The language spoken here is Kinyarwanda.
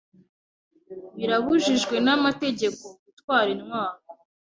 Birabujijwe n'amategeko gutwara intwaro.